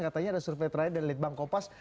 katanya ada survei terakhir dari litbang kompas